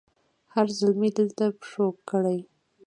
هر زلمي دلته پښو کړي